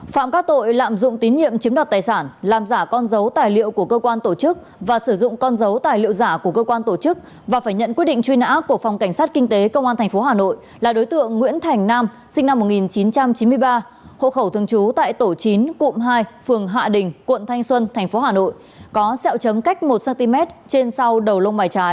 phạm các tội lạm dụng tín nhiệm chiếm đoạt tài sản làm giả con dấu tài liệu của cơ quan tổ chức và sử dụng con dấu tài liệu giả của cơ quan tổ chức và phải nhận quyết định truy nã của phòng cảnh sát kinh tế công an tp hà nội là đối tượng nguyễn thành nam sinh năm một nghìn chín trăm chín mươi ba hộ khẩu thường trú tại tổ chín cụm hai phường hạ đình quận thanh xuân tp hà nội có xeo chấm cách một cm trên sau đầu lông bài trái